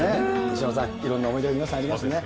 手嶋さん、いろんな思い出皆さんありますね。